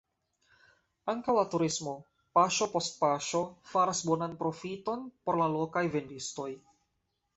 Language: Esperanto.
Ankaŭ la turismo paŝo post paŝo faras bonan profiton por la lokaj vendistoj.